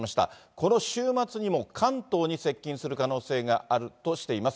この週末にも、関東に接近する可能性があるとしています。